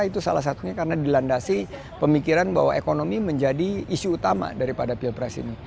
itu salah satunya karena dilandasi pemikiran bahwa ekonomi menjadi isu utama daripada pilpres ini